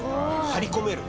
張り込める。